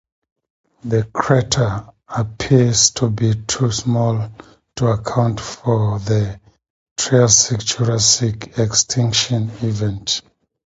The crater appears to be too small to account for the Triassic-Jurassic extinction event.